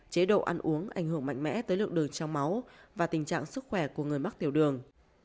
chế độ ăn uống ảnh hưởng mạnh mẽ tới lượng đường trong máu và tình trạng sức khỏe của người mắc tiểu đường